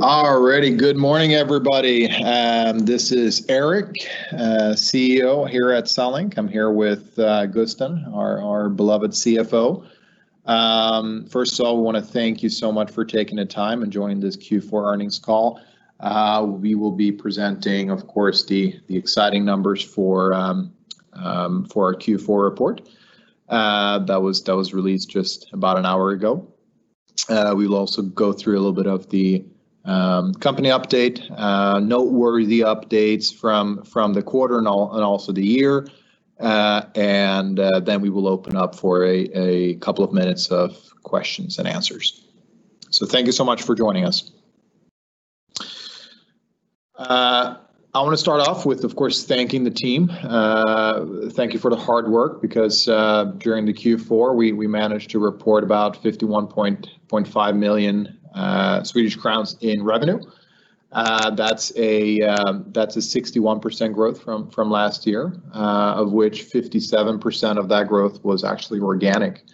All righty. Good morning, everybody. This is Erik, CEO here at CELLINK. I am here with Gusten, our beloved CFO. First of all, we want to thank you so much for taking the time and joining this Q4 earnings call. We will be presenting, of course, the exciting numbers for our Q4 report that was released just about an hour ago. We will also go through a little bit of the company update, noteworthy updates from the quarter and also the year. Then we will open up for a couple of minutes of questions and answers. Thank you so much for joining us. I want to start off with, of course, thanking the team. Thank you for the hard work, because during the Q4, we managed to report about 51.5 million Swedish crowns in revenue. That's a 61% growth from last year, of which 57% of that growth was actually organic.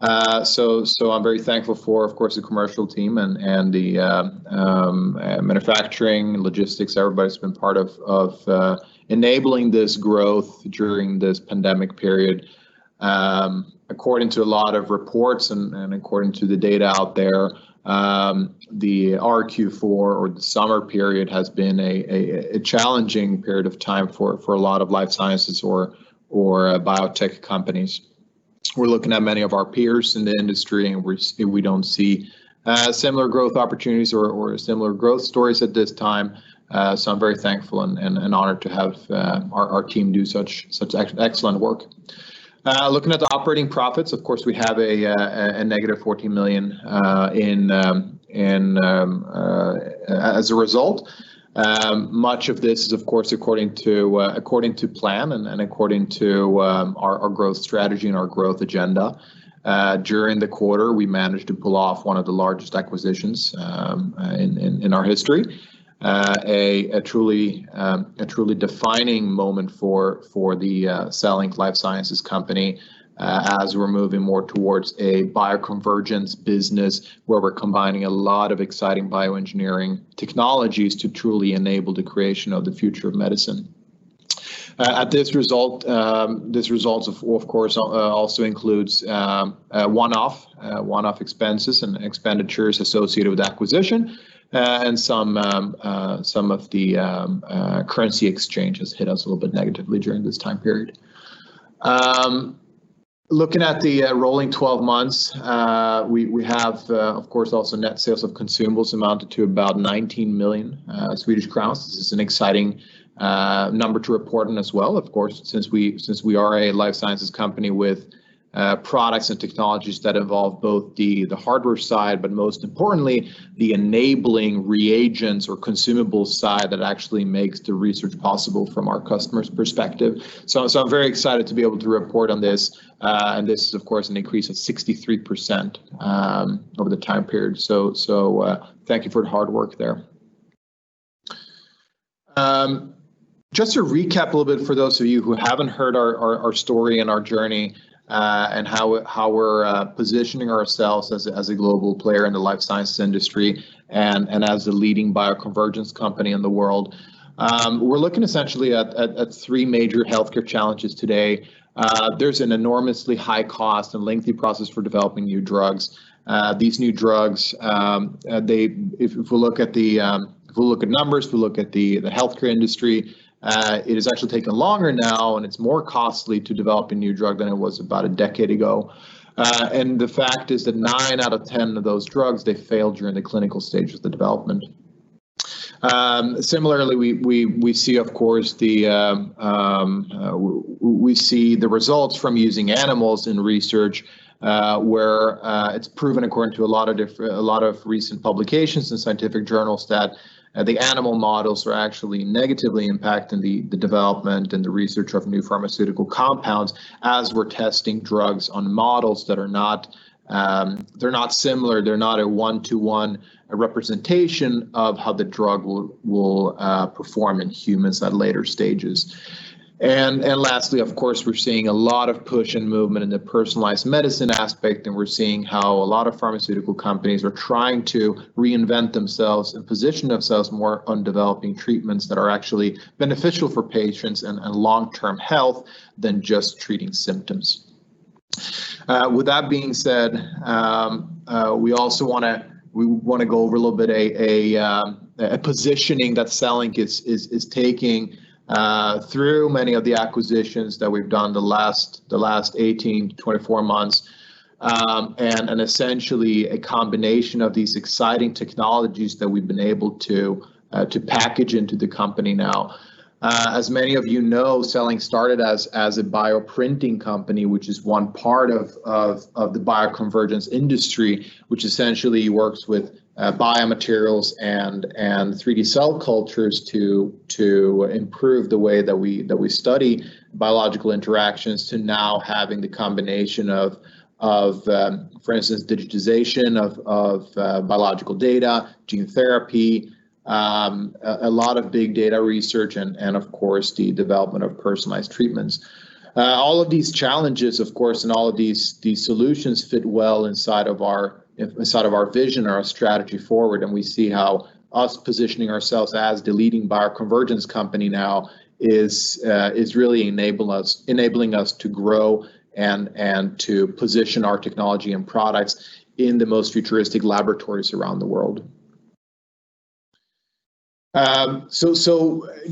I'm very thankful for, of course, the commercial team and the manufacturing, logistics, everybody's been part of enabling this growth during this pandemic period. According to a lot of reports and according to the data out there, the Q4 or the summer period has been a challenging period of time for a lot of life sciences or biotech companies. We're looking at many of our peers in the industry, and we don't see similar growth opportunities or similar growth stories at this time. I'm very thankful and honored to have our team do such excellent work. Looking at the operating profits, of course, we have a negative 14 million as a result. Much of this is, of course, according to plan and according to our growth strategy and our growth agenda. During the quarter, we managed to pull off one of the largest acquisitions in our history. A truly defining moment for the CELLINK Life Sciences company as we're moving more towards a bioconvergence business where we're combining a lot of exciting bioengineering technologies to truly enable the creation of the future of medicine. These results, of course, also includes one-off expenses and expenditures associated with acquisition and some of the currency exchanges hit us a little bit negatively during this time period. Looking at the rolling 12 months, we have, of course, also net sales of consumables amounted to about 19 million Swedish crowns. This is an exciting number to report on as well, of course, since we are a life sciences company with products and technologies that involve both the hardware side, but most importantly, the enabling reagents or consumables side that actually makes the research possible from our customer's perspective. I'm very excited to be able to report on this. This is, of course, an increase of 63% over the time period. Thank you for the hard work there. Just to recap a little bit for those of you who haven't heard our story and our journey and how we're positioning ourselves as a global player in the life sciences industry and as a leading bioconvergence company in the world. We're looking essentially at three major healthcare challenges today. There's an enormously high cost and lengthy process for developing new drugs. These new drugs, if we look at numbers, if we look at the healthcare industry, it has actually taken longer now, and it is more costly to develop a new drug than it was about a decade ago. The fact is that nine out of 10 of those drugs, they fail during the clinical stage of the development. Similarly, we see the results from using animals in research, where it is proven according to a lot of recent publications in scientific journals that the animal models are actually negatively impacting the development and the research of new pharmaceutical compounds as we are testing drugs on models that are not similar. They are not a one-to-one representation of how the drug will perform in humans at later stages. Lastly, of course, we're seeing a lot of push and movement in the personalized medicine aspect, and we're seeing how a lot of pharmaceutical companies are trying to reinvent themselves and position themselves more on developing treatments that are actually beneficial for patients and long-term health than just treating symptoms. With that being said, we want to go over a little bit a positioning that CELLINK is taking through many of the acquisitions that we've done the last 18-24 months, and essentially a combination of these exciting technologies that we've been able to package into the company now. As many of you know, CELLINK started as a bioprinting company, which is one part of the bioconvergence industry. Which essentially works with biomaterials and 3D cell cultures to improve the way that we study biological interactions to now having the combination of, for instance, digitization of biological data, gene therapy, a lot of big data research, and of course, the development of personalized treatments. All of these challenges, of course, and all of these solutions fit well inside of our vision or our strategy forward, and we see how us positioning ourselves as the leading bioconvergence company now is really enabling us to grow and to position our technology and products in the most futuristic laboratories around the world.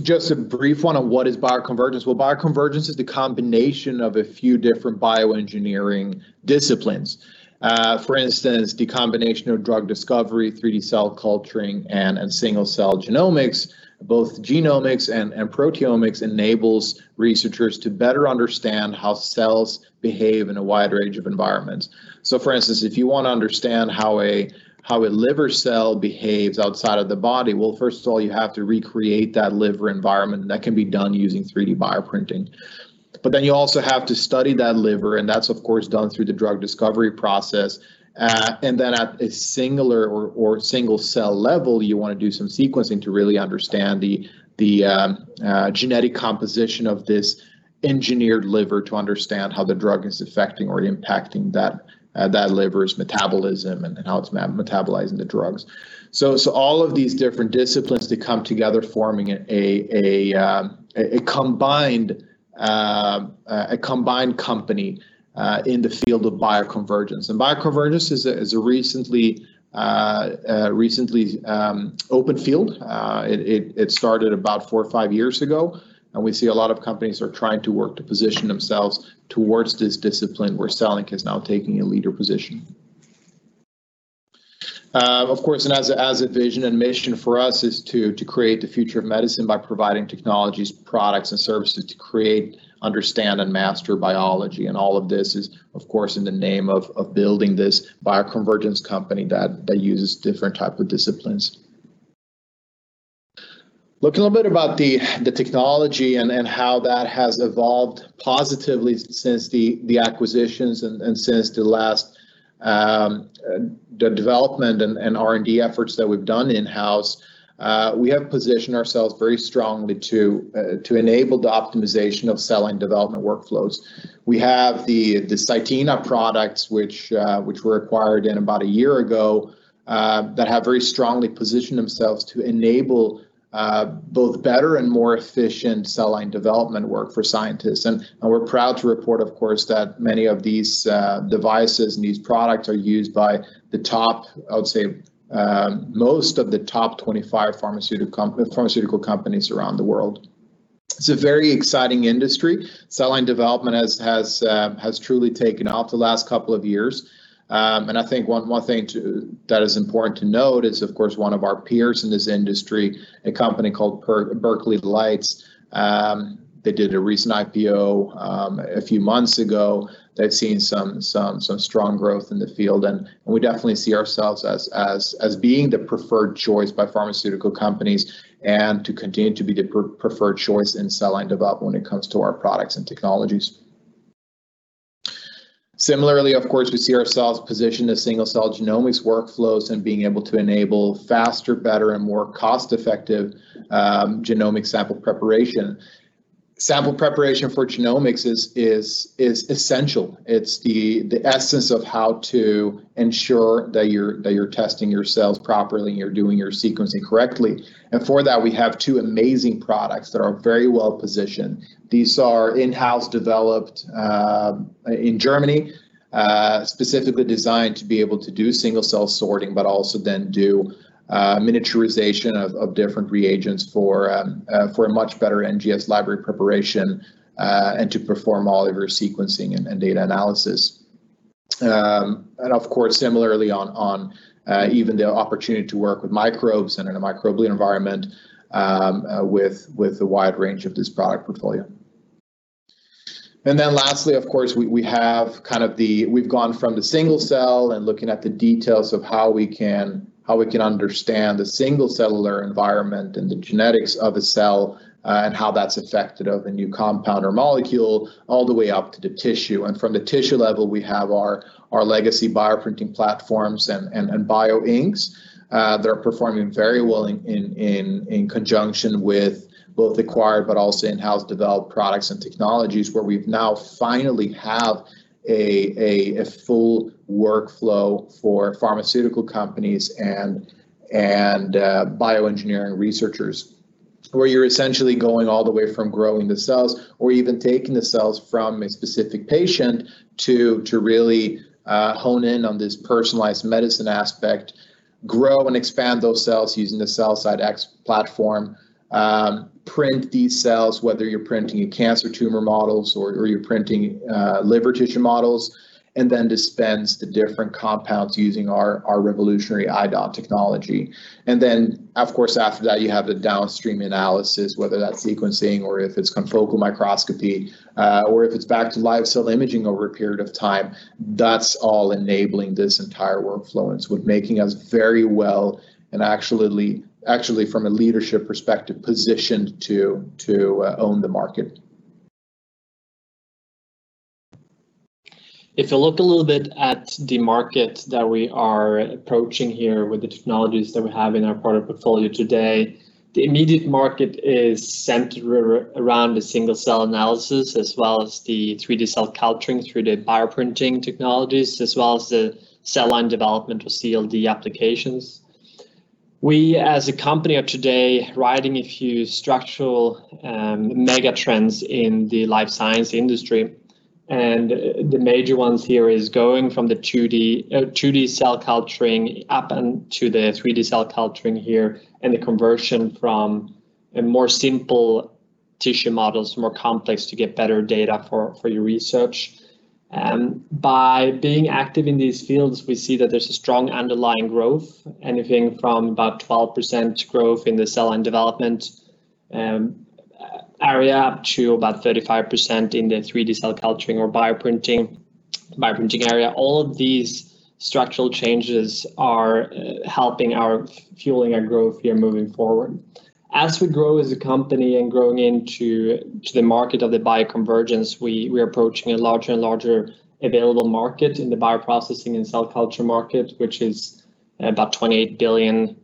Just a brief one on what is bioconvergence. Well, bioconvergence is the combination of a few different bioengineering disciplines. For instance, the combination of drug discovery, 3D cell culturing, and single-cell genomics, both genomics and proteomics enables researchers to better understand how cells behave in a wide range of environments. For instance, if you want to understand how a liver cell behaves outside of the body, well, first of all, you have to recreate that liver environment, and that can be done using 3D bioprinting. Then you also have to study that liver, and that's of course done through the drug discovery process. Then at a singular or single-cell level, you want to do some sequencing to really understand the genetic composition of this engineered liver to understand how the drug is affecting or impacting that liver's metabolism and how it's metabolizing the drugs. All of these different disciplines, they come together forming a combined company in the field of bioconvergence. Bioconvergence is a recently open field. It started about four or five years ago, and we see a lot of companies are trying to work to position themselves towards this discipline where CELLINK is now taking a leader position. Of course, as a vision and mission for us is to create the future of medicine by providing technologies, products, and services to create, understand, and master biology. All of this is, of course, in the name of building this bioconvergence company that uses different type of disciplines. Look a little bit about the technology and how that has evolved positively since the acquisitions and since the last development and R&D efforts that we've done in-house. We have positioned ourselves very strongly to enable the optimization of cell line development workflows. We have the CYTENA products, which were acquired in about a year ago, that have very strongly positioned themselves to enable both better and more efficient cell line development work for scientists. We're proud to report, of course, that many of these devices and these products are used by the top, I would say, most of the top 25 pharmaceutical companies around the world. It's a very exciting industry. Cell line development has truly taken off the last couple of years. I think one thing that is important to note is, of course, one of our peers in this industry, a company called Berkeley Lights. They did a recent IPO, a few months ago. They've seen some strong growth in the field, and we definitely see ourselves as being the preferred choice by pharmaceutical companies and to continue to be the preferred choice in cell line development when it comes to our products and technologies. Similarly, of course, we see ourselves positioned as single-cell genomics workflows and being able to enable faster, better, and more cost-effective genomic sample preparation. Sample preparation for genomics is essential. It's the essence of how to ensure that you're testing your cells properly and you're doing your sequencing correctly. For that, we have two amazing products that are very well-positioned. These are in-house developed in Germany, specifically designed to be able to do single-cell sorting, but also then do miniaturization of different reagents for a much better NGS library preparation, and to perform all of your sequencing and data analysis. Of course, similarly on even the opportunity to work with microbes and in a microbial environment with the wide range of this product portfolio. Lastly, of course, we've gone from the single-cell and looking at the details of how we can understand the single-cell environment and the genetics of a cell and how that's affected of a new compound or molecule all the way up to the tissue. From the tissue level, we have our legacy bioprinting platforms and bio-inks that are performing very well in conjunction with both acquired but also in-house developed products and technologies where we now finally have a full workflow for pharmaceutical companies and bioengineering researchers, where you're essentially going all the way from growing the cells or even taking the cells from a specific patient to really hone in on this personalized medicine aspect, grow and expand those cells using the CELLCYTE X platform, print these cells, whether you're printing cancer tumor models or you're printing liver tissue models, and then dispense the different compounds using our revolutionary I.DOT technology. Then, of course, after that, you have the downstream analysis, whether that's sequencing or if it's confocal microscopy, or if it's back to live cell imaging over a period of time. That's all enabling this entire workflow and making us very well and actually from a leadership perspective, positioned to own the market. If you look a little bit at the market that we are approaching here with the technologies that we have in our product portfolio today, the immediate market is centered around the single-cell analysis, as well as the 3D cell culturing through the bioprinting technologies, as well as the cell line development or CLD applications. We, as a company of today, riding a few structural mega trends in the life science industry. The major ones here is going from the 2D cell culturing up to the 3D cell culturing here, and the conversion from a more simple tissue models, more complex to get better data for your research. By being active in these fields, we see that there's a strong underlying growth, anything from about 12% growth in the cell line development area, up to about 35% in the 3D cell culturing or bioprinting area. All of these structural changes are fueling our growth here moving forward. As we grow as a company and growing into the market of the bioconvergence, we are approaching a larger and larger available market in the bioprocessing and cell culture market, which is about SEK 28 billion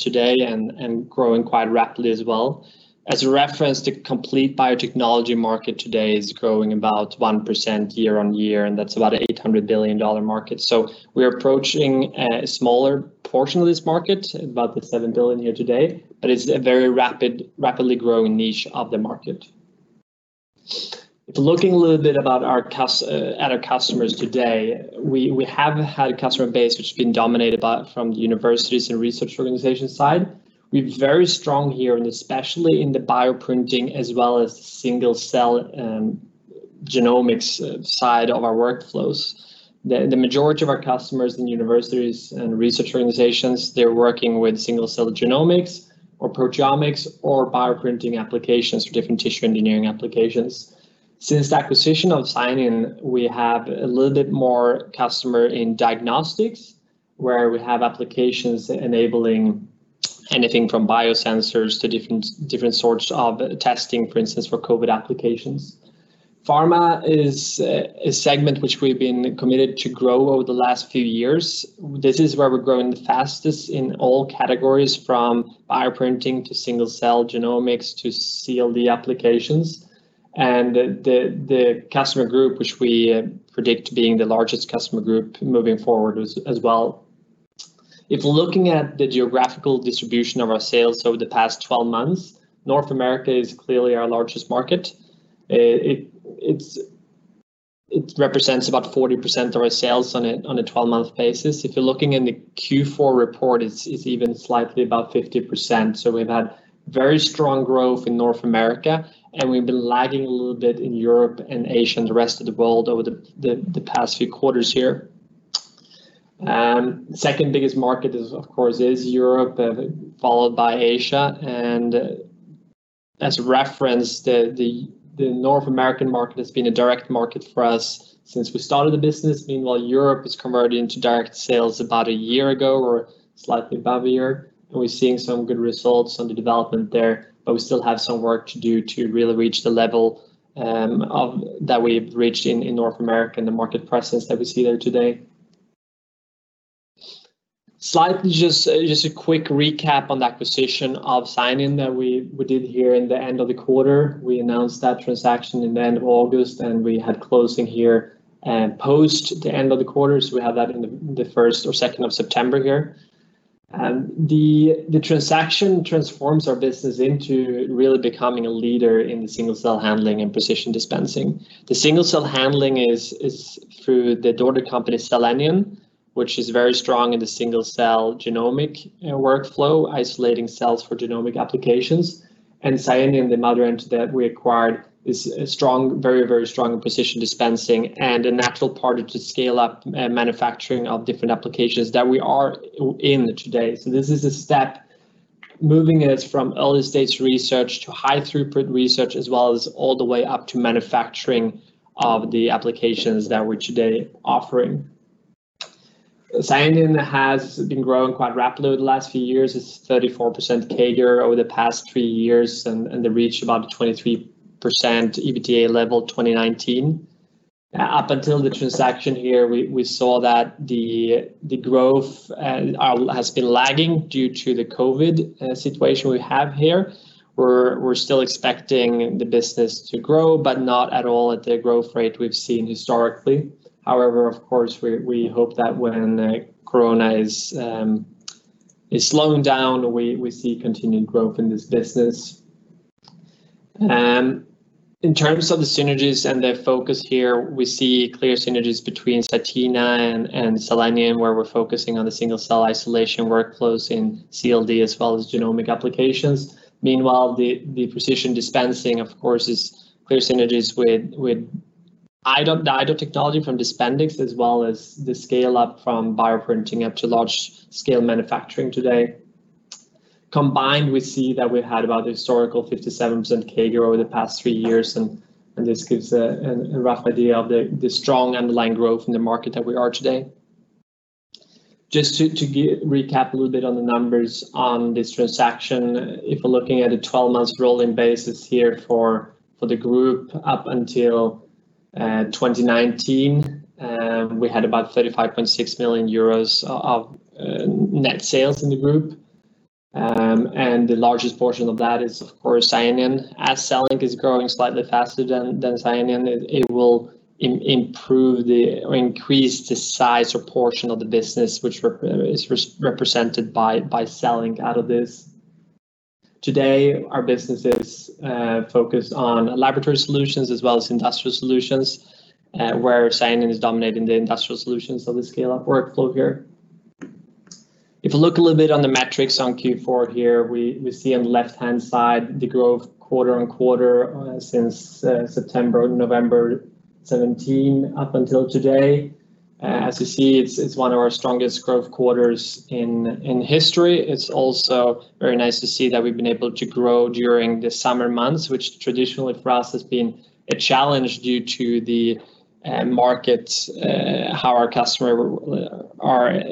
today and growing quite rapidly as well. As a reference, the complete biotechnology market today is growing about 1% year on year, and that's about SEK 800 billion market. We are approaching a smaller portion of this market, about the 7 billion here today, but it's a very rapidly growing niche of the market. If looking a little bit at our customers today, we have had a customer base which has been dominated from the universities and research organization side. We're very strong here, and especially in the bioprinting as well as single-cell genomics side of our workflows. The majority of our customers in universities and research organizations, they're working with single-cell genomics or proteomics or bioprinting applications for different tissue engineering applications. Since the acquisition of Scienion, we have a little bit more customer in diagnostics, where we have applications enabling anything from biosensors to different sorts of testing, for instance, for COVID applications. Pharma is a segment which we've been committed to grow over the last few years. This is where we're growing the fastest in all categories, from bioprinting to single-cell genomics to CLD applications. The customer group which we predict being the largest customer group moving forward as well. If looking at the geographical distribution of our sales over the past 12 months, North America is clearly our largest market. It represents about 40% of our sales on a 12-month basis. If you're looking in the Q4 report, it's even slightly above 50%. We've had very strong growth in North America, and we've been lagging a little bit in Europe and Asia and the rest of the world over the past few quarters here. Second biggest market is, of course, Europe, followed by Asia. As a reference, the North American market has been a direct market for us since we started the business. Meanwhile, Europe has converted into direct sales about a year ago or slightly above a year, and we're seeing some good results on the development there. We still have some work to do to really reach the level that we've reached in North America and the market presence that we see there today. Slightly just a quick recap on the acquisition of Scienion that we did here in the end of the quarter. We announced that transaction in the end of August, and we had closing here post the end of the quarter. We have that in the 1st or 2nd of September here. The transaction transforms our business into really becoming a leader in the single-cell handling and precision dispensing. The single-cell handling is through the daughter company, Cellenion, which is very strong in the single-cell genomic workflow, isolating cells for genomic applications. Scienion, the mother end that we acquired, is very, very strong in precision dispensing and a natural part to scale up manufacturing of different applications that we are in today. This is a step moving us from early stages research to high throughput research, as well as all the way up to manufacturing of the applications that we're today offering. Scienion has been growing quite rapidly over the last few years. It's 34% CAGR over the past three years, and they reached about a 23% EBITDA level in 2019. Up until the transaction here, we saw that the growth has been lagging due to the COVID situation we have here. We're still expecting the business to grow, but not at all at the growth rate we've seen historically. Of course, we hope that when COVID is slowing down, we see continued growth in this business. In terms of the synergies and the focus here, we see clear synergies between CELLINK and Cellenion, where we're focusing on the single-cell isolation workflows in CLD as well as genomic applications. Meanwhile, the precision dispensing, of course, is clear synergies with the I.DOT technology from DISPENDIX, as well as the scale-up from bioprinting up to large-scale manufacturing today. Combined, we see that we've had about a historical 57% CAGR over the past three years. This gives a rough idea of the strong underlying growth in the market that we are today. Just to recap a little bit on the numbers on this transaction. If we're looking at a 12 months rolling basis here for the group up until 2019, we had about 35.6 million euros of net sales in the group. The largest portion of that is, of course, Scienion. As CELLINK is growing slightly faster than Scienion, it will increase the size or portion of the business which is represented by CELLINK out of this. Today, our business is focused on laboratory solutions as well as industrial solutions, where Scienion is dominating the industrial solutions of the scaleup workflow here. If you look a little bit on the metrics on Q4 here, we see on the left-hand side the growth quarter-on-quarter since September, November 2017 up until today. As you see, it's one of our strongest growth quarters in history. It's also very nice to see that we've been able to grow during the summer months, which traditionally for us has been a challenge due to the market, how our customer are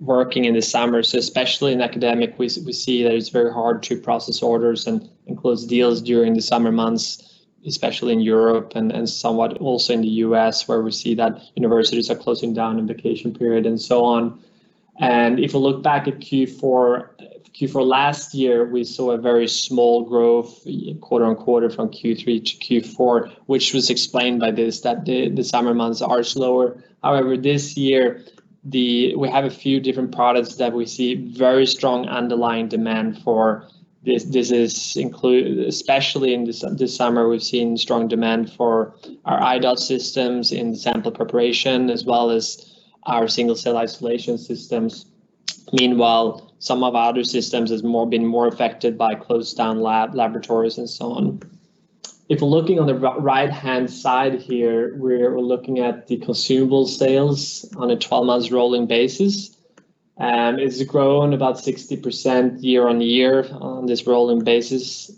working in the summer. Especially in academic, we see that it's very hard to process orders and close deals during the summer months, especially in Europe and somewhat also in the U.S., where we see that universities are closing down in vacation period and so on. If you look back at Q4 last year, we saw a very small growth quarter-on-quarter from Q3 to Q4, which was explained by this, that the summer months are slower. However, this year, we have a few different products that we see very strong underlying demand for. Especially in this summer, we've seen strong demand for our I.DOT systems in sample preparation as well as our single-cell isolation systems. Meanwhile, some of our other systems has been more affected by closed down laboratories and so on. If we're looking on the right-hand side here, we're looking at the consumable sales on a 12 months rolling basis. It's grown about 60% year-on-year on this rolling basis,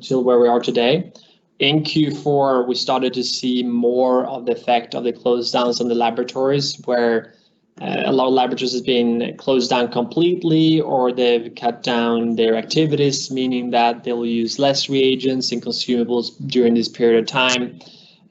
till where we are today. In Q4, we started to see more of the effect of the closed downs on the laboratories, where a lot of laboratories has been closed down completely, or they've cut down their activities, meaning that they'll use less reagents and consumables during this period of time.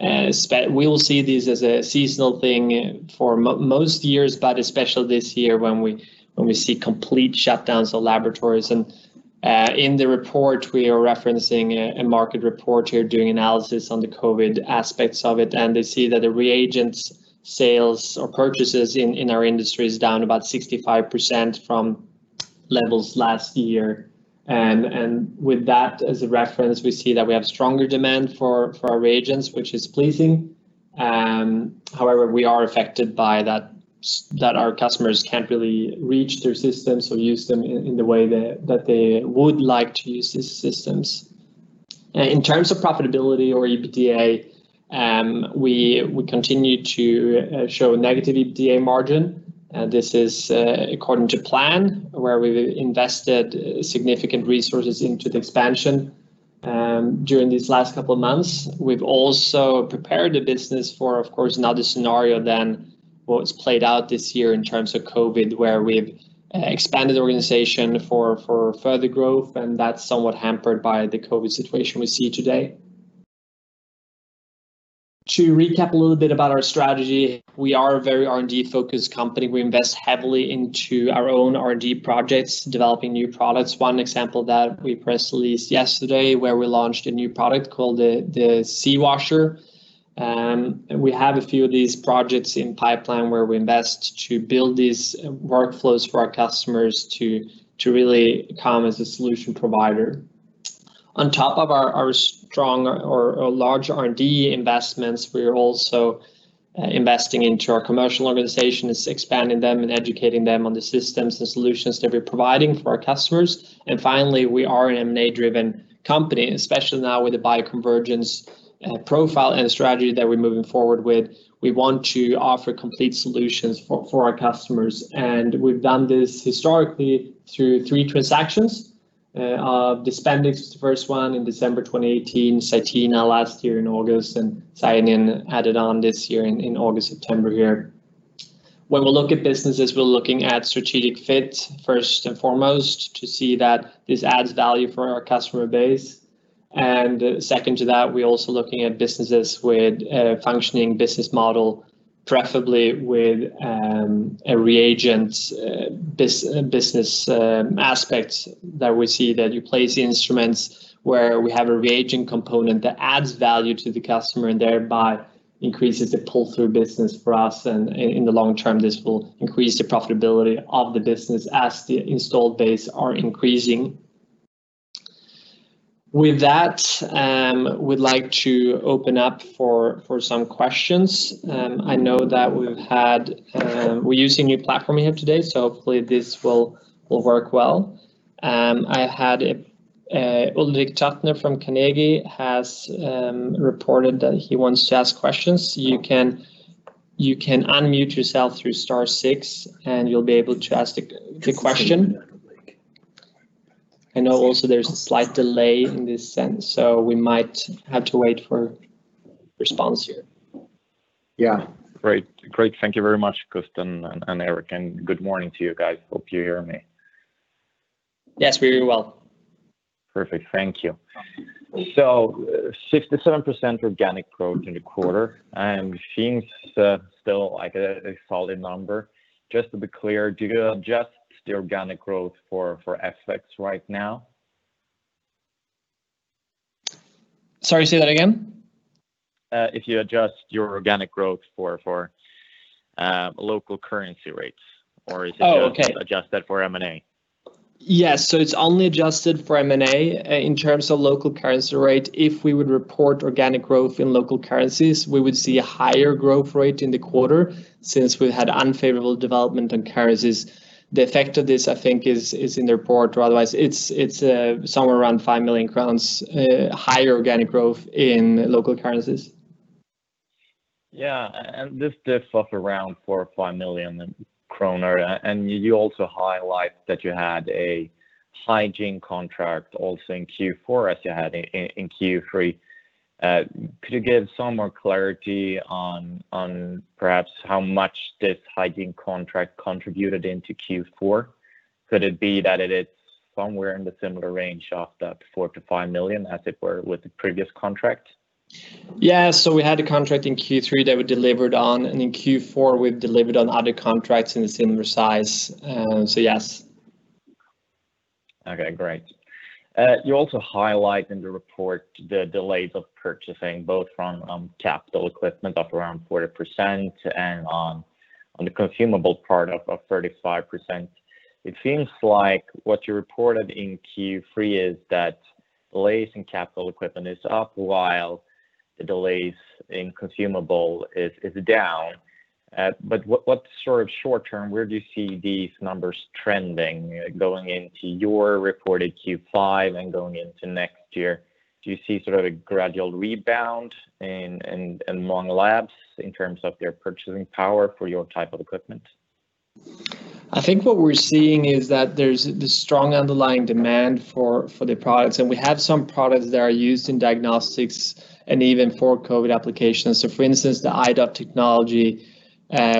We will see this as a seasonal thing for most years, but especially this year when we see complete shutdowns of laboratories. In the report, we are referencing a market report here, doing analysis on the COVID aspects of it, and they see that the reagents sales or purchases in our industry is down about 65% from levels last year. With that as a reference, we see that we have stronger demand for our reagents, which is pleasing. However, we are affected by that our customers can't really reach their systems or use them in the way that they would like to use these systems. In terms of profitability or EBITDA, we continue to show negative EBITDA margin, and this is according to plan, where we've invested significant resources into the expansion during these last couple of months. We've also prepared the business for, of course, another scenario than what's played out this year in terms of COVID, where we've expanded the organization for further growth, and that's somewhat hampered by the COVID situation we see today. To recap a little bit about our strategy, we are a very R&D focused company. We invest heavily into our own R&D projects, developing new products. One example that we press released yesterday, where we launched a new product called the C.WASH. We have a few of these projects in pipeline where we invest to build these workflows for our customers to really come as a solution provider. On top of our strong or large R&D investments, we're also investing into our commercial organization, is expanding them and educating them on the systems and solutions that we're providing for our customers. Finally, we are an M&A driven company, especially now with the bioconvergence profile and strategy that we're moving forward with. We want to offer complete solutions for our customers. We've done this historically through three transactions. DISPENDIX was the first one in December 2018, CYTENA last year in August. Scienion added on this year in August, September here. When we look at businesses, we're looking at strategic fit first and foremost to see that this adds value for our customer base. Second to that, we're also looking at businesses with a functioning business model, preferably with a reagent business aspect that we see that you place the instruments where we have a reagent component that adds value to the customer and thereby increases the pull-through business for us and in the long term, this will increase the profitability of the business as the installed base are increasing. With that, we'd like to open up for some questions. I know that we're using new platform here today, so hopefully this will work well. I had Ulrik Trattner from Carnegie has reported that he wants to ask questions. You can unmute yourself through star six, and you'll be able to ask the question. I know also there's a slight delay in this sense, so we might have to wait for response here. Yeah. Great. Thank you very much, Gusten and Erik. Good morning to you guys. Hope you hear me. Yes, we hear you well. Perfect. Thank you. 67% organic growth in the quarter seems still like a solid number. Just to be clear, do you adjust the organic growth for FX right now? Sorry, say that again. If you adjust your organic growth for local currency rates? Oh, okay. Adjusted for M&A? Yes. It's only adjusted for M&A in terms of local currency rate. If we would report organic growth in local currencies, we would see a higher growth rate in the quarter since we had unfavorable development in currencies. The effect of this, I think, is in the report. Otherwise, it's somewhere around 5 million crowns higher organic growth in local currencies. Yeah. This diff of around 4 or 5 million, and you also highlight that you had a hygiene contract also in Q4, as you had in Q3. Could you give some more clarity on perhaps how much this hygiene contract contributed into Q4? Could it be that it is somewhere in the similar range of that 4 million-5 million as it were with the previous contract? Yeah. We had a contract in Q3 that we delivered on, and in Q4, we've delivered on other contracts in a similar size. Yes. Okay, great. You also highlight in the report the delays of purchasing, both from capital equipment of around 40% and on the consumable part of 35%. It seems like what you reported in Q3 is that delays in capital equipment is up while the delays in consumable is down. What sort of short term, where do you see these numbers trending, going into your reported Q4 and going into next year? Do you see sort of a gradual rebound in mono labs in terms of their purchasing power for your type of equipment? I think what we're seeing is that there's this strong underlying demand for the products, and we have some products that are used in diagnostics and even for COVID applications. For instance, the I.DOT technology,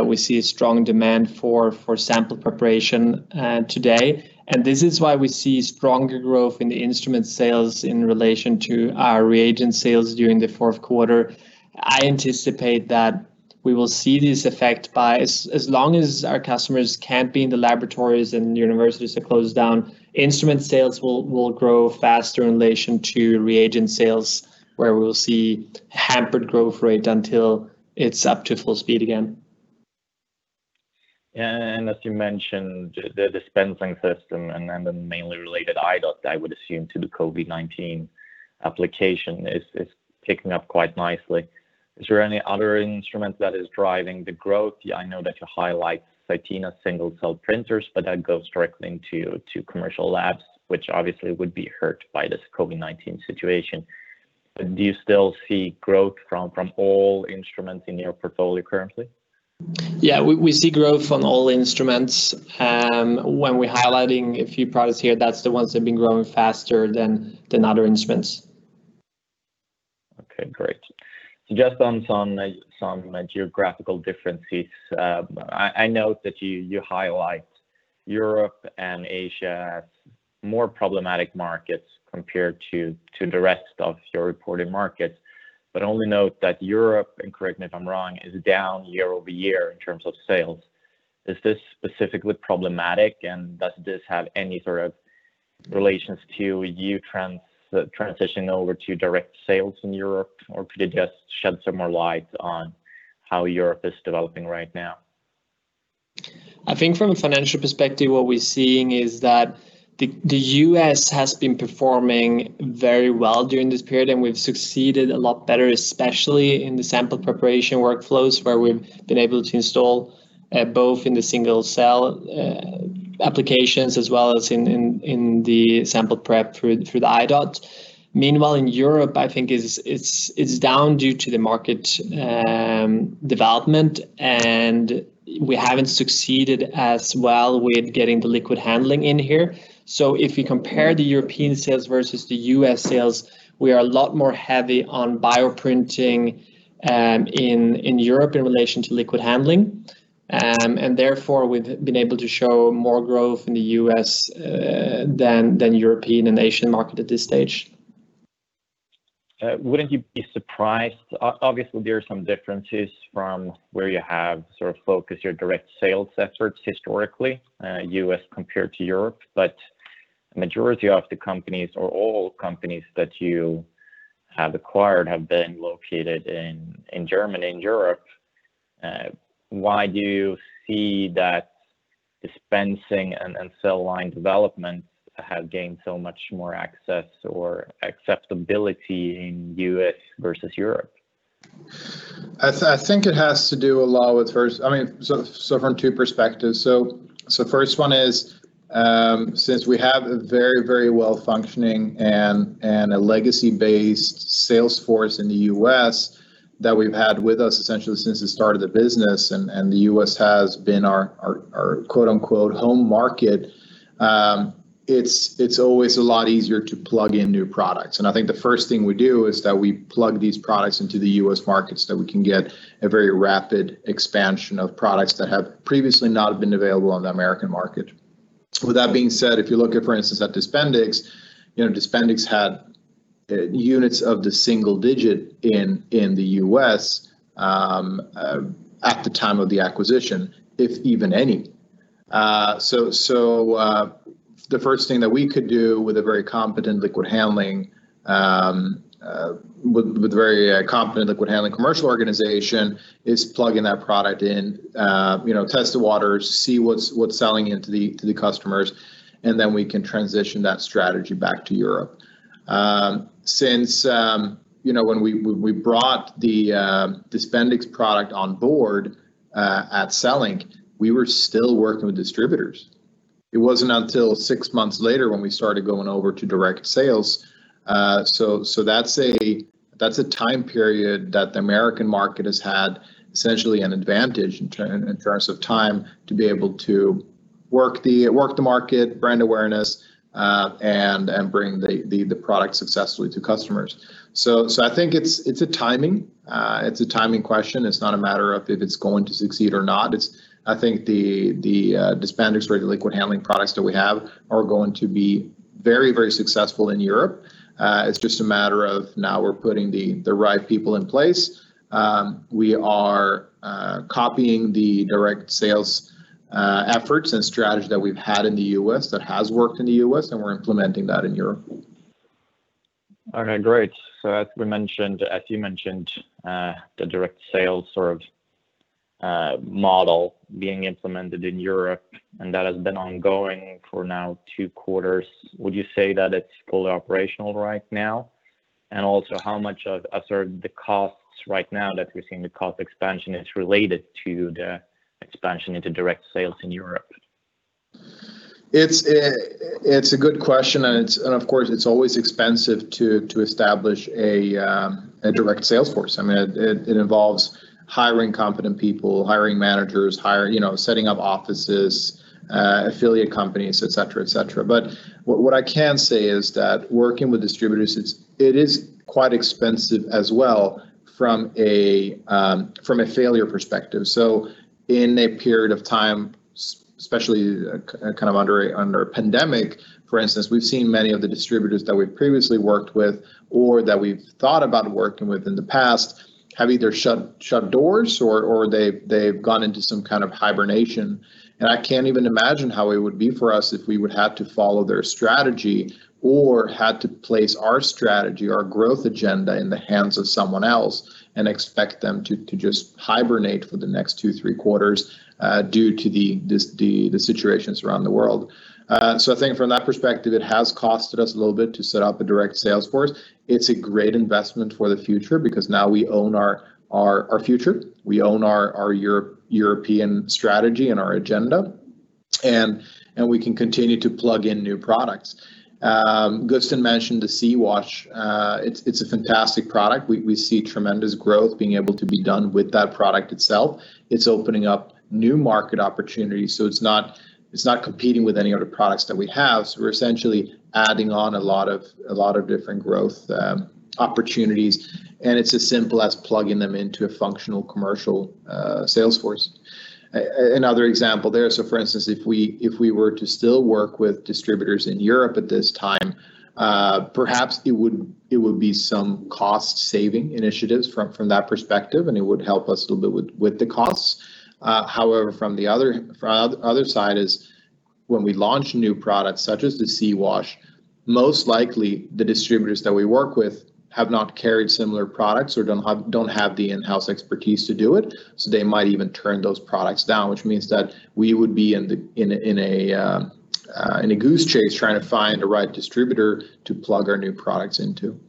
we see a strong demand for sample preparation today, and this is why we see stronger growth in the instrument sales in relation to our reagent sales during the fourth quarter. I anticipate that we will see this effect by as long as our customers can't be in the laboratories, and universities are closed down, instrument sales will grow faster in relation to reagent sales, where we will see hampered growth rate until it's up to full speed again. Yeah, as you mentioned, the dispensing system and then the mainly related I.DOT, I would assume to the COVID-19 application, is ticking up quite nicely. Is there any other instrument that is driving the growth? I know that you highlight CYTENA's single-cell printers, that goes directly into commercial labs, which obviously would be hurt by this COVID-19 situation. Do you still see growth from all instruments in your portfolio currently? We see growth on all instruments. When we're highlighting a few products here, that's the ones that have been growing faster than other instruments. Okay, great. Just on some geographical differences. I note that you highlight Europe and Asia as more problematic markets compared to the rest of your reported markets. Only note that Europe, and correct me if I'm wrong, is down year-over-year in terms of sales. Is this specifically problematic, and does this have any sort of relations to you transitioning over to direct sales in Europe, or could you just shed some more light on how Europe is developing right now? I think from a financial perspective, what we're seeing is that the U.S. has been performing very well during this period, and we've succeeded a lot better, especially in the sample preparation workflows, where we've been able to install both in the single-cell applications as well as in the sample prep through the I.DOT. Meanwhile, in Europe, I think it's down due to the market development, and we haven't succeeded as well with getting the liquid handling in here. If you compare the European sales versus the U.S. sales, we are a lot more heavy on bioprinting in Europe in relation to liquid handling. Therefore, we've been able to show more growth in the U.S. than European and Asian market at this stage. Wouldn't you be surprised, obviously, there are some differences from where you have sort of focused your direct sales efforts historically, U.S. compared to Europe, but majority of the companies or all companies that you have acquired have been located in Germany and Europe. Why do you see that dispensing and cell line development have gained so much more access or acceptability in U.S. versus Europe? I think it has to do a lot with, from two perspectives. First one is, since we have a very well-functioning and a legacy-based sales force in the U.S. that we've had with us essentially since the start of the business, and the U.S. has been our "home market," it's always a lot easier to plug in new products. I think the first thing we do is that we plug these products into the U.S. markets, that we can get a very rapid expansion of products that have previously not been available on the American market. With that being said, if you look at, for instance, at DISPENDIX had units of the single-digit in the U.S. at the time of the acquisition, if even any. The first thing that we could do with a very competent liquid handling commercial organization is plug in that product in, test the waters, see what's selling it to the customers, and then we can transition that strategy back to Europe. Since when we brought the dispensing product on board at CELLINK, we were still working with distributors. It wasn't until six months later when we started going over to direct sales. That's a time period that the American market has had essentially an advantage in terms of time to be able to work the market, brand awareness, and bring the product successfully to customers. I think it's a timing question. It's not a matter of if it's going to succeed or not. I think the dispensing liquid handling products that we have are going to be very successful in Europe. It's just a matter of now we're putting the right people in place. We are copying the direct sales efforts and strategy that we've had in the U.S. that has worked in the U.S., and we're implementing that in Europe. Okay, great. As you mentioned, the direct sales sort of model being implemented in Europe, and that has been ongoing for now two quarters. Would you say that it's fully operational right now? How much of the costs right now that we're seeing the cost expansion is related to the expansion into direct sales in Europe? It's a good question. Of course, it's always expensive to establish a direct sales force. It involves hiring competent people, hiring managers, setting up offices, affiliate companies, et cetera. What I can say is that working with distributors, it is quite expensive as well from a failure perspective. In a period of time, especially under a pandemic, for instance, we've seen many of the distributors that we've previously worked with or that we've thought about working with in the past have either shut doors or they've gone into some kind of hibernation. I can't even imagine how it would be for us if we would have to follow their strategy or had to place our strategy, our growth agenda in the hands of someone else and expect them to just hibernate for the next two, three quarters due to the situations around the world. I think from that perspective, it has costed us a little bit to set up a direct sales force. It's a great investment for the future because now we own our future. We own our European strategy and our agenda, and we can continue to plug in new products. Gusten mentioned the C.WASH. It's a fantastic product. We see tremendous growth being able to be done with that product itself. It's opening up new market opportunities, so it's not competing with any other products that we have. We're essentially adding on a lot of different growth opportunities, and it's as simple as plugging them into a functional commercial sales force. Another example there, so for instance, if we were to still work with distributors in Europe at this time, perhaps it would be some cost-saving initiatives from that perspective, and it would help us a little bit with the costs. However, from the other side is when we launch new products, such as the C.WASH, most likely the distributors that we work with have not carried similar products or don't have the in-house expertise to do it. They might even turn those products down, which means that we would be in a goose chase trying to find the right distributor to plug our new products into.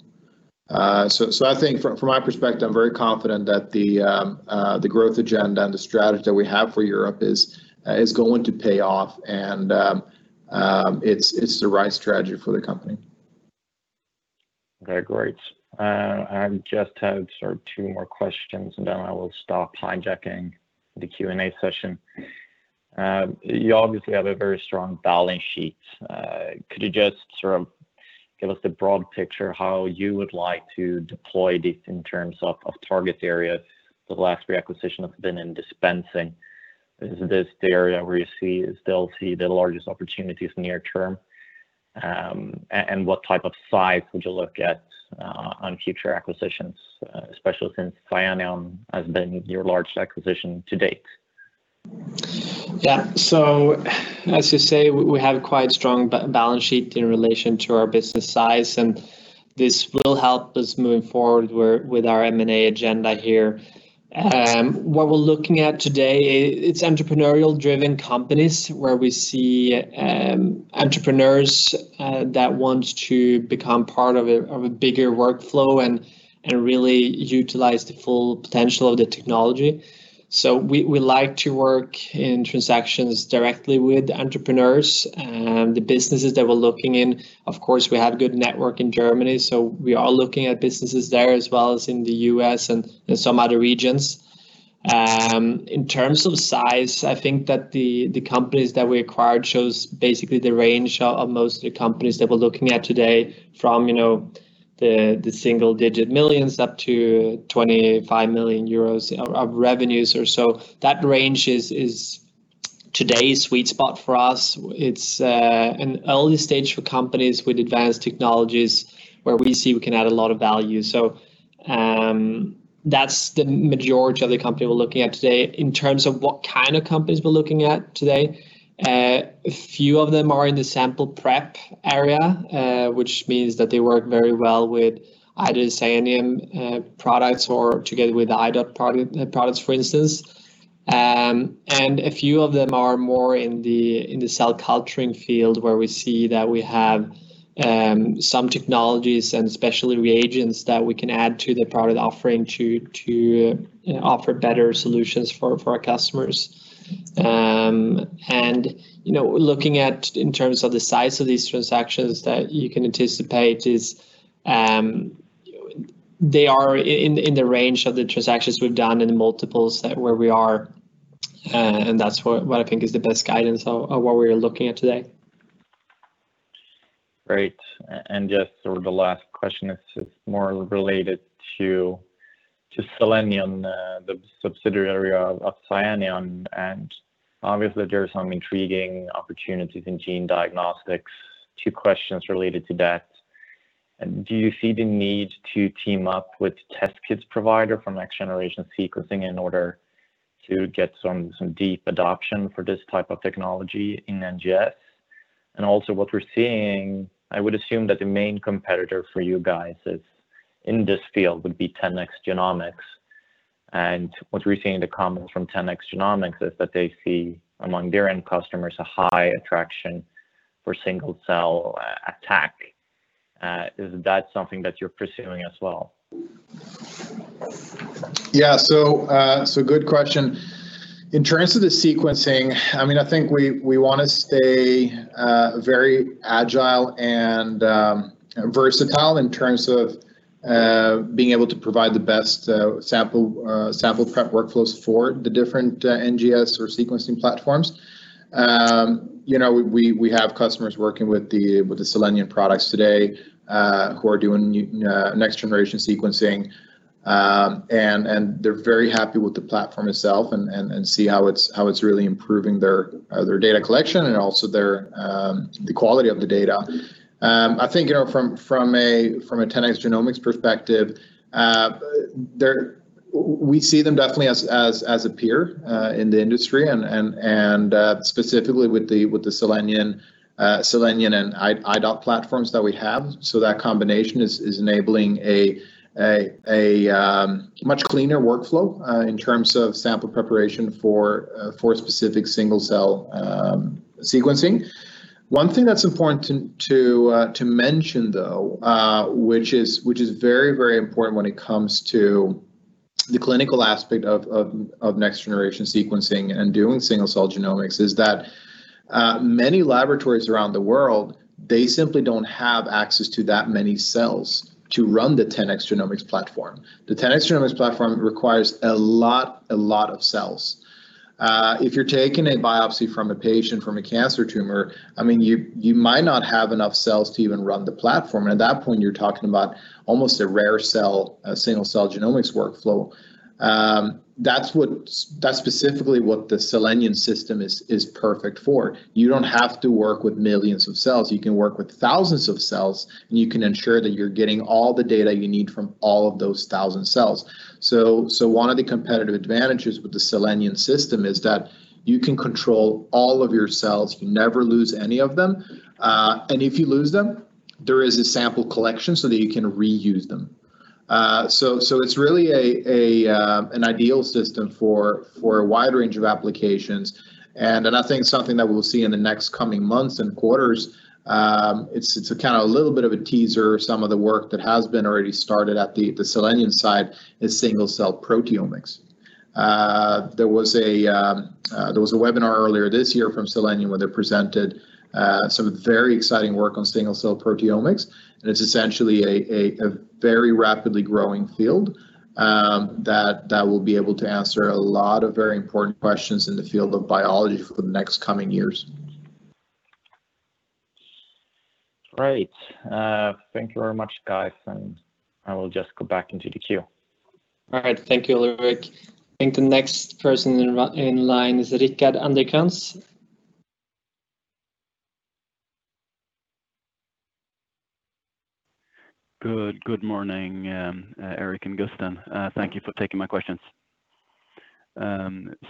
I think from my perspective, I'm very confident that the growth agenda and the strategy that we have for Europe is going to pay off, and it's the right strategy for the company. Okay, great. I just have two more questions, and then I will stop hijacking the Q&A session. You obviously have a very strong balance sheet. Could you just sort of give us the broad picture how you would like to deploy this in terms of target area? The last three acquisitions have been in dispensing. Is this the area where you still see the largest opportunities near term? What type of size would you look at on future acquisitions, especially since Scienion has been your largest acquisition to date? As you say, we have quite strong balance sheet in relation to our business size, and this will help us moving forward with our M&A agenda here. What we're looking at today, it's entrepreneurial-driven companies where we see entrepreneurs that want to become part of a bigger workflow and really utilize the full potential of the technology. We like to work in transactions directly with entrepreneurs. The businesses that we're looking in, of course, we have good network in Germany, we are looking at businesses there as well as in the U.S. and some other regions. In terms of size, I think that the companies that we acquired shows basically the range of most of the companies that we're looking at today from the single-digit millions up to 25 million euros of revenues or so. That range is today's sweet spot for us. It's an early stage for companies with advanced technologies where we see we can add a lot of value. That's the majority of the company we're looking at today. In terms of what kind of companies we're looking at today, a few of them are in the sample prep area, which means that they work very well with either the Cellenion products or together with the I.DOT products, for instance. A few of them are more in the cell culturing field, where we see that we have some technologies and specialty reagents that we can add to the product offering to offer better solutions for our customers. Looking at in terms of the size of these transactions that you can anticipate is, they are in the range of the transactions we've done in the multiples where we are, and that's what I think is the best guidance of where we're looking at today. Just the last question is more related to Cellenion, the subsidiary of Scienion. Obviously there are some intriguing opportunities in gene diagnostics. Two questions related to that. Do you see the need to team up with test kits provider for next-generation sequencing in order to get some deep adoption for this type of technology in NGS? Also what we're seeing, I would assume that the main competitor for you guys in this field would be 10x Genomics. What we're seeing in the comments from 10x Genomics is that they see, among their end customers, a high attraction for single-cell ATAC. Is that something that you're pursuing as well? Yeah. Good question. In terms of the sequencing, I think we want to stay very agile and versatile in terms of being able to provide the best sample prep workflows for the different NGS or sequencing platforms. We have customers working with the Cellenion products today, who are doing next-generation sequencing, and they're very happy with the platform itself and see how it's really improving their data collection and also the quality of the data. I think, from a 10x Genomics perspective, we see them definitely as a peer, in the industry and specifically with the Cellenion and I.DOT platforms that we have. That combination is enabling a much cleaner workflow, in terms of sample preparation for specific single-cell sequencing. One thing that's important to mention, though, which is very important when it comes to the clinical aspect of next-generation sequencing and doing single-cell genomics, is that many laboratories around the world, they simply don't have access to that many cells to run the 10x Genomics platform. The 10x Genomics platform requires a lot of cells. If you're taking a biopsy from a patient from a cancer tumor, you might not have enough cells to even run the platform. At that point, you're talking about almost a rare cell, a single-cell genomics workflow. That's specifically what the Cellenion system is perfect for. You don't have to work with millions of cells. You can work with thousands of cells, and you can ensure that you're getting all the data you need from all of those thousand cells. One of the competitive advantages with the Cellenion system is that you can control all of your cells. You never lose any of them. If you lose them, there is a sample collection so that you can reuse them. It's really an ideal system for a wide range of applications, and I think something that we'll see in the next coming months and quarters, it's a kind of a little bit of a teaser, some of the work that has been already started at the Cellenion side is single-cell proteomics. There was a webinar earlier this year from Cellenion where they presented some very exciting work on single-cell proteomics, and it's essentially a very rapidly growing field that will be able to answer a lot of very important questions in the field of biology for the next coming years. Great. Thank you very much, guys. I will just go back into the queue. All right. Thank you, Ulrik. I think the next person in line is Rickard Anderkrans. Good morning, Erik and Gusten. Thank you for taking my questions.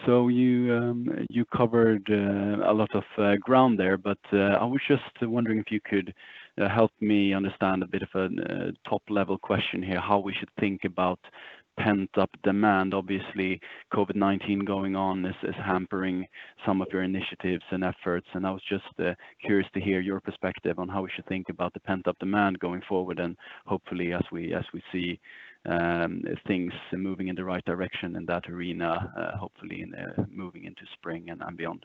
You covered a lot of ground there, but I was just wondering if you could help me understand a bit of a top-level question here, how we should think about pent-up demand. Obviously, COVID-19 going on is hampering some of your initiatives and efforts, and I was just curious to hear your perspective on how we should think about the pent-up demand going forward, and hopefully as we see things moving in the right direction in that arena, hopefully moving into spring and beyond.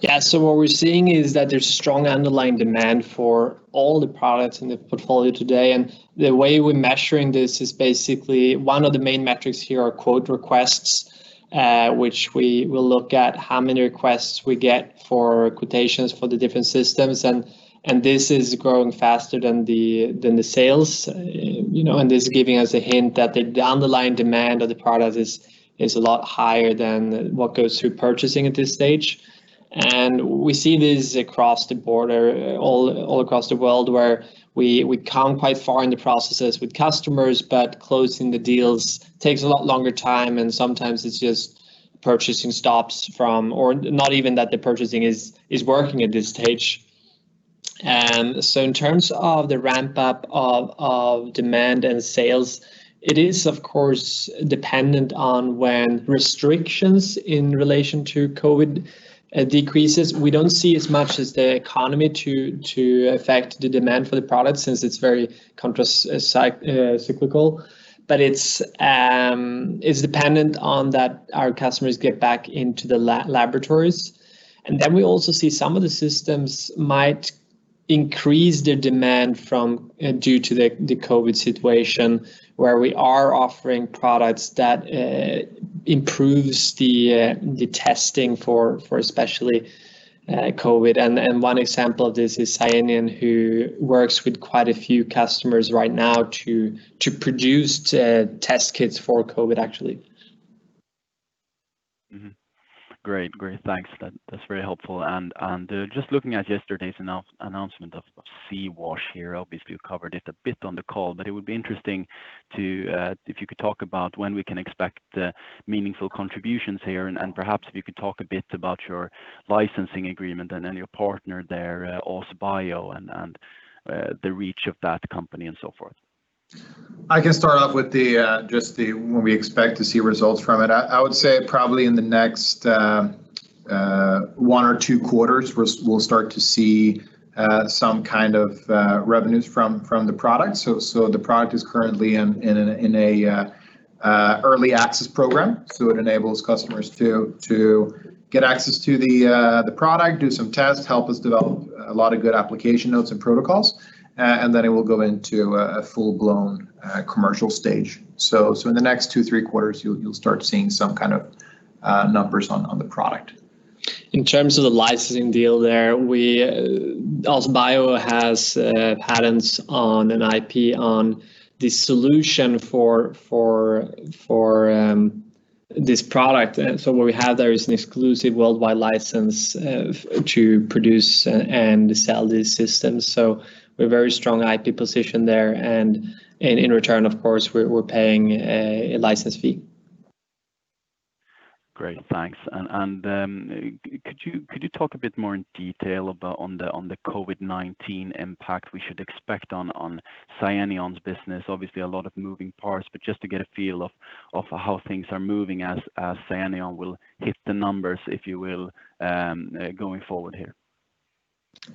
Yeah. What we're seeing is that there's strong underlying demand for all the products in the portfolio today. The way we're measuring this is basically one of the main metrics here are quote requests, which we will look at how many requests we get for quotations for the different systems. This is growing faster than the sales and is giving us a hint that the underlying demand of the product is a lot higher than what goes through purchasing at this stage. We see this across the border, all across the world, where we come quite far in the processes with customers, but closing the deals takes a lot longer time. Sometimes it's just purchasing stops from, or not even that the purchasing is working at this stage. In terms of the ramp-up of demand and sales, it is of course dependent on when restrictions in relation to COVID decreases. We don't see as much as the economy to affect the demand for the product since it's very counter-cyclical, but it's dependent on that our customers get back into the laboratories. We also see some of the systems might increase their demand due to the COVID situation, where we are offering products that improves the testing for especially COVID. One example of this is Cellenion, who works with quite a few customers right now to produce test kits for COVID, actually. Mm-hmm. Great. Thanks. That's very helpful. Just looking at yesterday's announcement of C.WASH here, obviously you covered it a bit on the call, but it would be interesting if you could talk about when we can expect meaningful contributions here and perhaps if you could talk a bit about your licensing agreement and your partner there, OZ Biosciences, and the reach of that company and so forth. I can start off with just when we expect to see results from it. I would say probably in the next one or two quarters, we'll start to see some kind of revenues from the product. The product is currently in an early access program, so it enables customers to get access to the product, do some tests, help us develop a lot of good application notes and protocols, and then it will go into a full-blown commercial stage. In the next two, three quarters, you'll start seeing some kind of numbers on the product. In terms of the licensing deal there, OZ Biosciences has patents on an IP on the solution for this product. What we have there is an exclusive worldwide license to produce and sell these systems. We're very strong IP position there, and in return, of course, we're paying a license fee. Great, thanks. Could you talk a bit more in detail about on the COVID-19 impact we should expect on Cellenion's business? Obviously a lot of moving parts, but just to get a feel of how things are moving as Cellenion will hit the numbers, if you will, going forward here.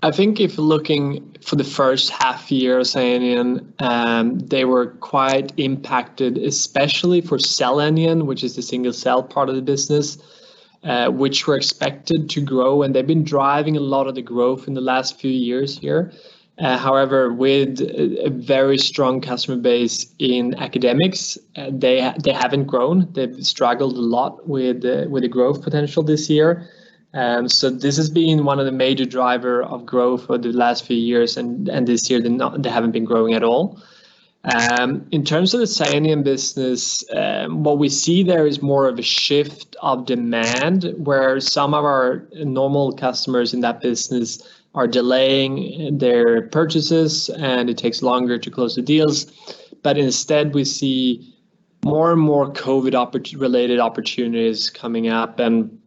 I think if looking for the first half year of Scienion, they were quite impacted, especially for Cellenion, which is the single-cell part of the business, which were expected to grow. They've been driving a lot of the growth in the last few years here. With a very strong customer base in academics, they haven't grown. They've struggled a lot with the growth potential this year. This has been one of the major driver of growth for the last few years. This year they haven't been growing at all. In terms of the Scienion business, what we see there is more of a shift of demand, where some of our normal customers in that business are delaying their purchases. It takes longer to close the deals. Instead, we see more and more COVID-related opportunities coming up, and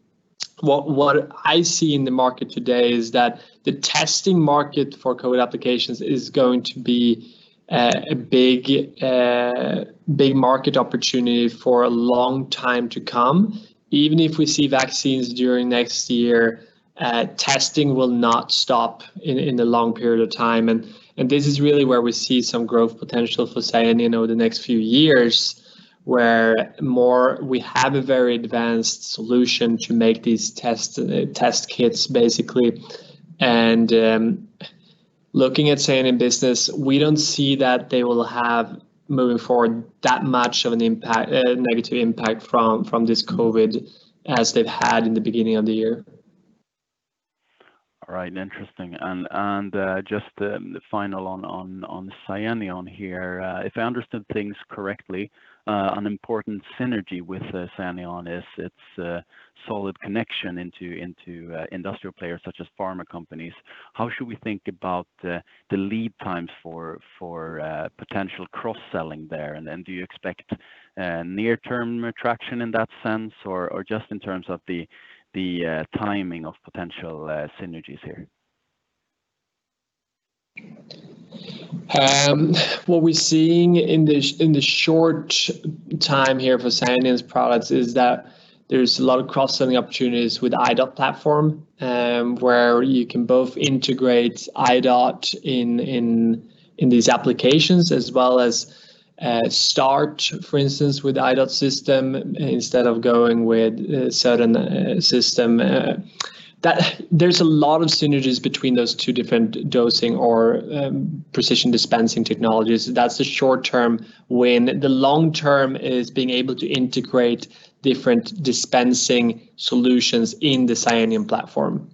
what I see in the market today is that the testing market for COVID applications is going to be a big market opportunity for a long time to come. Even if we see vaccines during next year, testing will not stop in the long period of time, and this is really where we see some growth potential for Scienion over the next few years, where we have a very advanced solution to make these test kits, basically. Looking at Scienion business, we don't see that they will have, moving forward, that much of a negative impact from this COVID as they've had in the beginning of the year. All right. Interesting. Just final on Scienion here, if I understood things correctly, an important synergy with Scienion is its solid connection into industrial players such as pharma companies. How should we think about the lead times for potential cross-selling there, and do you expect near-term traction in that sense, or just in terms of the timing of potential synergies here? What we're seeing in the short time here for Scienion's products is that there's a lot of cross-selling opportunities with I.DOT platform, where you can both integrate I.DOT in these applications as well as start, for instance, with I.DOT system instead of going with a certain system. There's a lot of synergies between those two different dosing or precision dispensing technologies. That's the short term. When the long term is being able to integrate different dispensing solutions in the Scienion platform.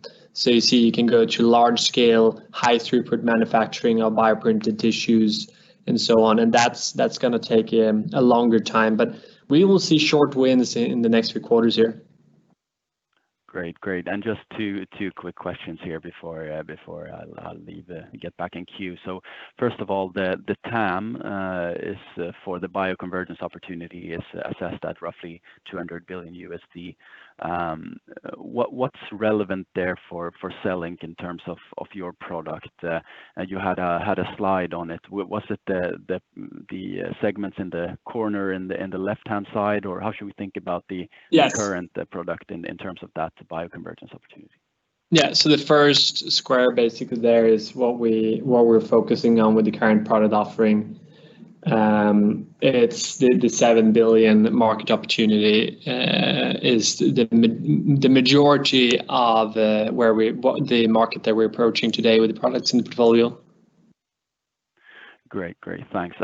You can go to large-scale, high throughput manufacturing of bioprinted tissues and so on, and that's going to take a longer time. We will see short wins in the next few quarters here. Great. Just two quick questions here before I leave and get back in queue. First of all, the TAM for the bioconvergence opportunity is assessed at roughly $200 billion. What's relevant there for CELLINK in terms of your product? You had a slide on it. Was it the segments in the corner in the left-hand side, or how should we think about the. Yes. The current product in terms of that bioconvergence opportunity? Yeah. The first square basically there is what we're focusing on with the current product offering. The 7 billion market opportunity is the majority of the market that we're approaching today with the products in the portfolio. Great. Thanks.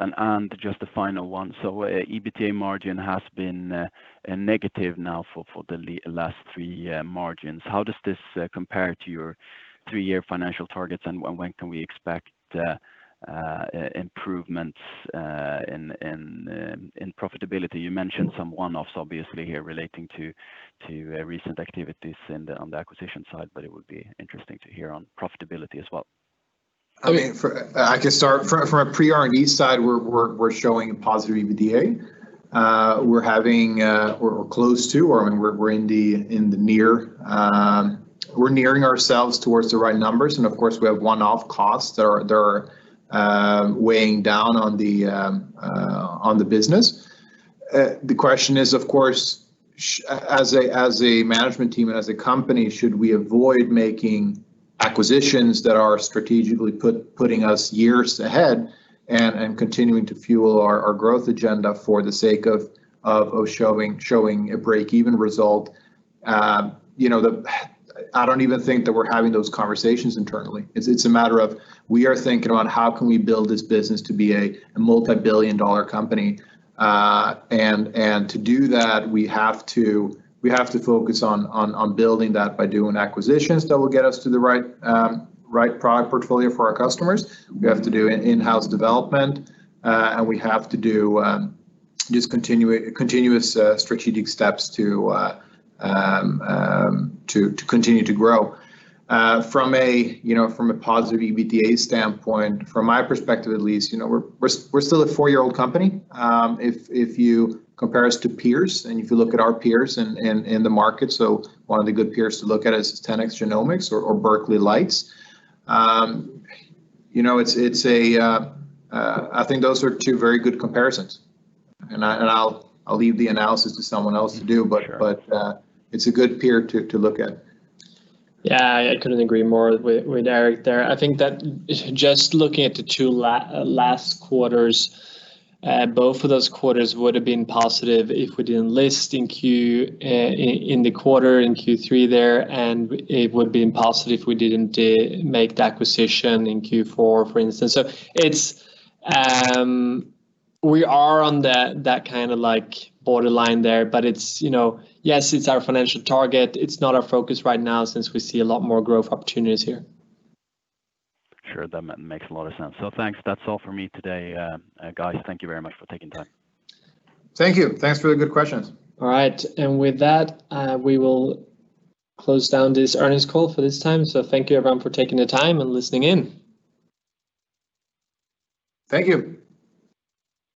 Just a final one. EBITDA margin has been negative now for the last three years. How does this compare to your three-year financial targets, and when can we expect improvements in profitability? You mentioned some one-offs obviously here relating to recent activities on the acquisition side, but it would be interesting to hear on profitability as well. I can start. From a pre-R&D side, we're showing a positive EBITDA. We're close to, or we're nearing ourselves towards the right numbers, and of course, we have one-off costs that are weighing down on the business. The question is, of course, as a management team and as a company, should we avoid making acquisitions that are strategically putting us years ahead and continuing to fuel our growth agenda for the sake of showing a break-even result? I don't even think that we're having those conversations internally. It's a matter of we are thinking about how can we build this business to be a multibillion-dollar company. To do that, we have to focus on building that by doing acquisitions that will get us to the right product portfolio for our customers. We have to do in-house development, and we have to do just continuous strategic steps to continue to grow. From a positive EBITDA standpoint, from my perspective at least, we're still a four-year-old company. If you compare us to peers and if you look at our peers in the market, one of the good peers to look at is 10x Genomics or Berkeley Lights. I think those are two very good comparisons, and I'll leave the analysis to someone else to do. Sure. It's a good peer to look at. I couldn't agree more with Erik there. I think that just looking at the two last quarters, both of those quarters would've been positive if we didn't list in the quarter in Q3 there, and it would've been positive if we didn't make the acquisition in Q4, for instance. We are on that kind of borderline there. Yes, it's our financial target. It's not our focus right now since we see a lot more growth opportunities here. Sure. That makes a lot of sense. Thanks. That's all for me today, guys. Thank you very much for taking the time. Thank you. Thanks for the good questions. All right. With that, we will close down this earnings call for this time. Thank you, everyone, for taking the time and listening in. Thank you.